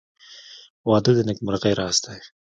• واده د نېکمرغۍ راز دی.